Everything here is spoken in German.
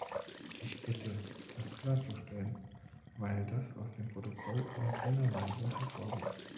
Ich bitte, das klarzustellen, weil das aus dem Protokoll in keiner Weise hervorgeht.